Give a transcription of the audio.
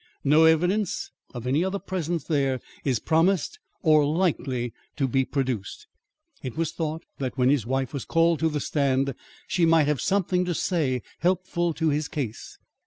No evidence of any other presence there is promised or likely to be produced. It was thought that when his wife was called to the stand she might have something to say helpful to his case.